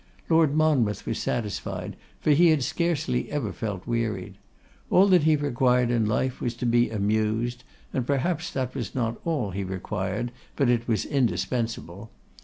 Lord Monmouth was satisfied, for he had scarcely ever felt wearied. All that he required in life was to be amused; perhaps that was not all he required, but it was indispensable.